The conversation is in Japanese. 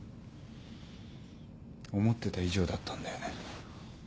思ってた以上だったんだよね。